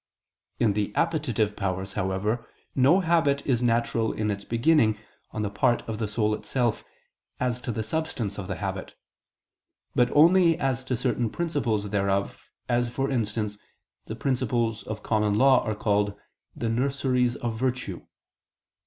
In the appetitive powers, however, no habit is natural in its beginning, on the part of the soul itself, as to the substance of the habit; but only as to certain principles thereof, as, for instance, the principles of common law are called the "nurseries of virtue."